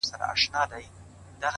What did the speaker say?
ژر سه ژورناليست يې اوس دې ټول پېژني-